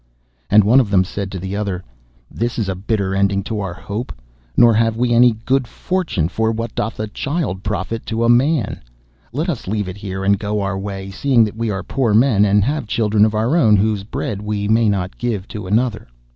And one of them said to the other: 'This is a bitter ending to our hope, nor have we any good fortune, for what doth a child profit to a man? Let us leave it here, and go our way, seeing that we are poor men, and have children of our own whose bread we may not give to another.